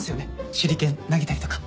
手裏剣投げたりとか。